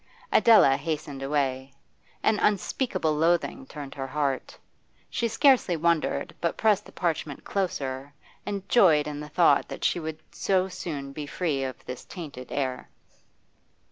Adela hastened away. An unspeakable loathing turned her heart. She scarcely wondered, but pressed the parchment closer, and joyed in the thought that she would so soon be free of this tainted air.